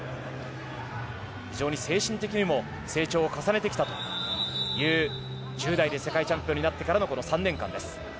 非常に精神的にも成長を重ねてきたという１０代で世界チャンピオンになってからのこの３年間です。